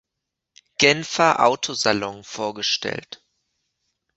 Genfer Auto-Salon vorgestellt.